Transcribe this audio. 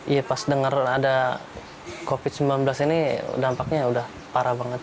iya pas denger ada covid sembilan belas ini dampaknya udah parah banget